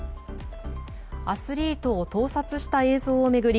アスリートを盗撮した映像を巡り